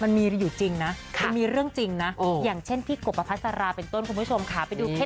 มันมีอยู่จริงนะค่ะมันมีเรื่องจริงนะโอ้อย่างเช่นพี่กบอภัษราเป็นต้นคุณผู้ชมค่ะ